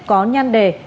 có nhan đề